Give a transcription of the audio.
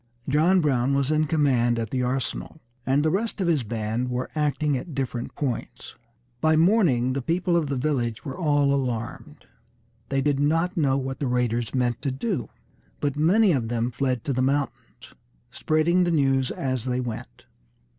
John Brown was in command at the arsenal, and the rest of his band were acting at different points. By morning the people of the village were all alarmed. They did not know what the raiders meant to do, but many of them fled to the mountains, spreading the news as they went.